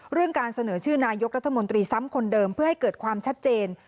เรื่องการเสนอชื่อนายกรัฐมนตรีซ้ำคนเดิมเพื่อให้เกิดความชัดเจน